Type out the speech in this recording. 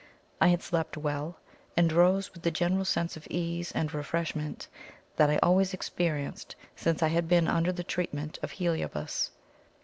I had slept well, and rose with the general sense of ease and refreshment that I always experienced since I had been under the treatment of Heliobas.